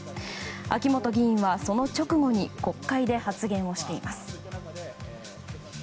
秋本議員はその直後に国会で発言をしています。